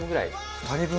２人分？